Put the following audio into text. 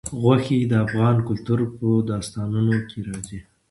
غوښې د افغان کلتور په داستانونو کې راځي.